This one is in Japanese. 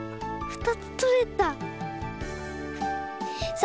２つとれた！